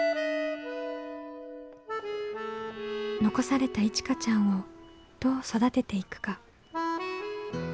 残されたいちかちゃんをどう育てていくか。